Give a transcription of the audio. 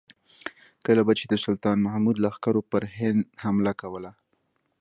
کله به چې د سلطان محمود لښکرو پر هند حمله کوله.